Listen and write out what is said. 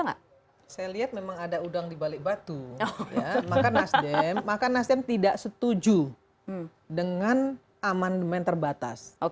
mstm tidak setuju dengan amandemen terbatas